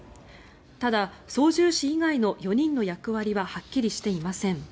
ただ、操縦士以外の４人の役割ははっきりしていません。